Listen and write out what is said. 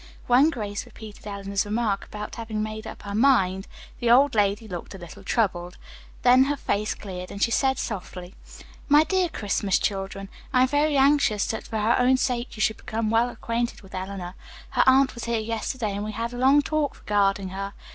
When Grace repeated Eleanor's remark about having made up her mind, the old lady looked a little troubled. Then her face cleared and she said softly: "My dear Christmas children, I am very anxious that for her own sake you should become well acquainted with Eleanor. Her aunt was here yesterday, and we had a long talk regarding her.